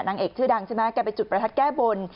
นางเอกชื่อดังใช่ไหมแกไปจุดประทัดแก้บน